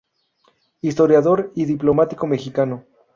Historiador y diplomático mexicano.